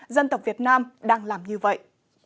dân tộc việt nam đang làm như vậy